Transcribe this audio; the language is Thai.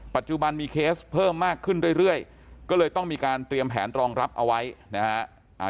ปัจจุบันมีเคสเพิ่มมากขึ้นเรื่อยก็เลยต้องมีการเตรียมแผนรองรับเอาไว้นะฮะ